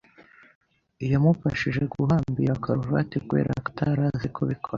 Yamufashije guhambira karuvati kubera ko atari azi kubikora.